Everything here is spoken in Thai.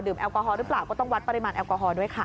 แอลกอฮอลหรือเปล่าก็ต้องวัดปริมาณแอลกอฮอล์ด้วยค่ะ